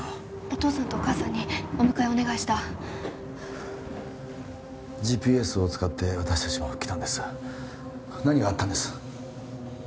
お父さんとお義母さんにお迎えお願いしたＧＰＳを使って私達も来たんです何があったんです？